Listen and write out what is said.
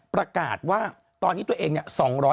ประกาศว่าตอนนี้ตัวเองเนี่ย